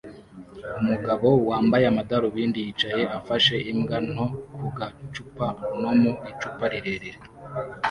umugabo wambaye amadarubindi yicaye afashe imbwa nto ku gacupa no mu icupa rirerire